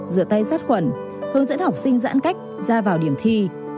rửa tay sát khuẩn hướng dẫn học sinh giãn cách ra vào điểm thi